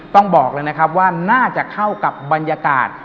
ต้องบอกเลยนะครับว่าน่าจะเข้ากับบรรยากาศ